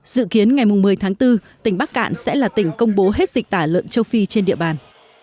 dự kiến ngày một mươi tháng bốn tỉnh bắc cạn sẽ là tỉnh công bố hết dịch tả lợn châu phi trên địa bàn